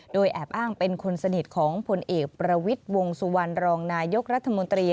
โดยแอบอ้างเป็นคนสนิทของผลเอกประวิทย์วงสุวรรณรองนายกรัฐมนตรี